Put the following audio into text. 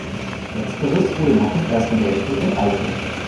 Letzteres wurde nach dem Ersten Weltkrieg enteignet.